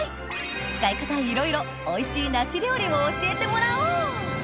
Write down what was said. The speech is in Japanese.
使い方いろいろおいしい梨料理を教えてもらおう！